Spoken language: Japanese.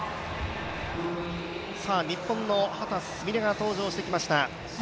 日本の秦澄美鈴が登場してきました。